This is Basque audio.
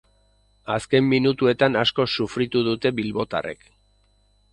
Azken minutuetan asko sufritu dute bilbotarrek.